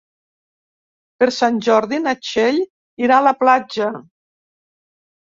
Per Sant Jordi na Txell irà a la platja.